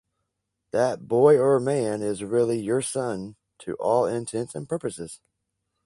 That boy or man is really your son to all intents and purposes.